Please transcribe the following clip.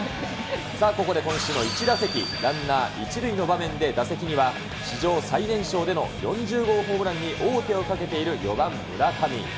さあ、ここで今シューのイチ打席、ランナー１塁の場面で、打席には史上最年少での４０号ホームランに王手をかけている４番村上。